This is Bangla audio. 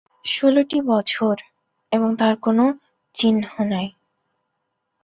ষোলোটি বছর, এবং তার কোন চিহ্ন নাই।